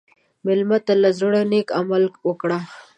مېلمه ته له زړه نیک عمل وکړه.